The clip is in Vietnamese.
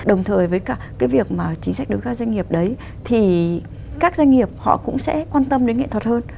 đồng thời với cả cái việc mà chính sách đối với các doanh nghiệp đấy thì các doanh nghiệp họ cũng sẽ quan tâm đến nghệ thuật hơn